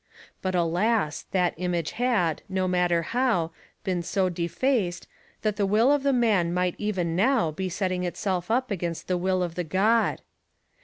But alas! that image had, no matter how, been so defaced, that the will of the man might even now be setting itself up against the will of the God!